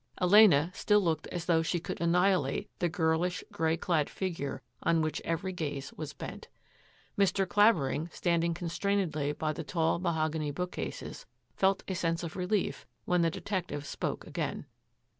Elena still looked as though she could annihilate the girlish, grey clad figure on which every gaze was bent. Mr. Clavering, standing constrainedly by the tall, mahogany bookcases, felt a sense of relief when the detective spoke again.